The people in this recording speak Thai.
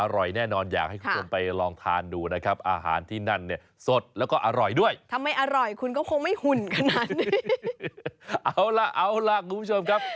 อร่อยแน่นอนอยากให้คุณคุณไปลองทานดูนะครับ